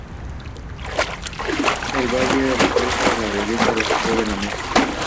El valle reflejaba la belleza de su joven amor.